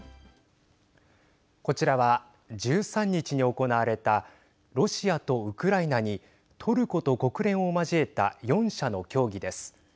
こちらは、１３日に行われたロシアとウクライナにトルコと国連を交えた４者の協議です。